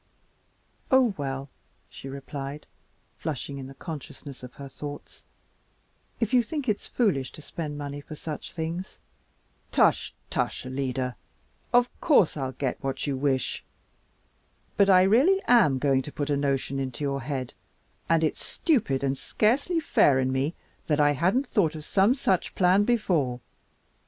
"Oh, well," she replied, flushing in the consciousness of her thoughts, "if you think it's foolish to spend money for such things " "Tush, tush, Alida! Of course I'll get what you wish. But I really am going to put a notion into your head, and it's stupid and scarcely fair in me that I hadn't thought of some such plan before.